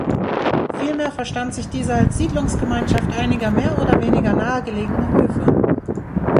Vielmehr verstand sich diese als Siedlungsgemeinschaft einiger mehr oder weniger nahe gelegener Höfe.